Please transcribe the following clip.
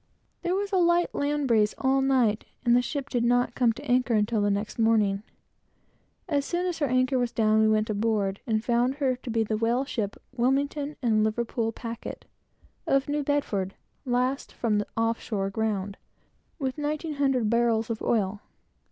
There was a light land breeze all night, and the ship did not come to anchor until the next morning. As soon as her anchor was down, we went aboard, and found her to be the whaleship, Wilmington and Liverpool Packet, of New Bedford, last from the "off shore ground," with nineteen hundred barrels of oil.